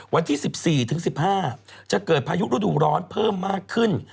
วันที่๑๔ถึง๑๕จะเกิดพายุฤดูร้อนเพิ่มมากขึ้น